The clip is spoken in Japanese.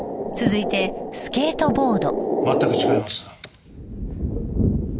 「」全く違います。